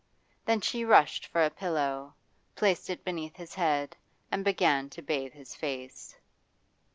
Then she rushed for a pillow, placed it beneath his head, and began to bathe his face.